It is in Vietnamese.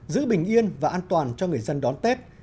giữ bình yên và an toàn cho người dân đón tết